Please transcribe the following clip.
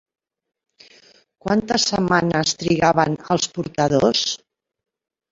Quantes setmanes trigaven els portadors?